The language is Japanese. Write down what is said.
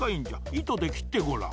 いとできってごらん。